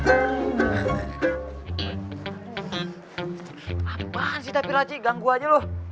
apaan sih tapi raci ganggu aja lo